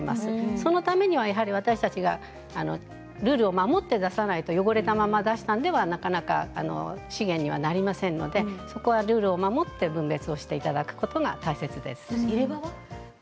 そのために私たちがルールを守って出さないと汚れたまま出したのではなかなか資源にはなりませんのでルールを守って分別をしていただくことが大切です。